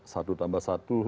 satu tambah satu